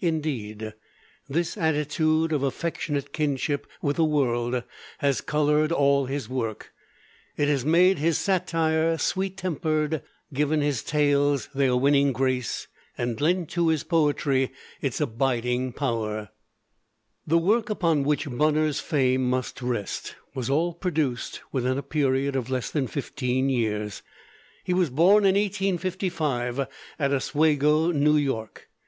Indeed, this attitude of affectionate kinship with the world has colored all his work; it has made his satire sweet tempered, given his tales their winning grace, and lent to his poetry its abiding power. [Illustration: HENRY C. BUNNER] The work upon which Bunner's fame must rest was all produced within a period of less than fifteen years. He was born in 1855 at Oswego, New York.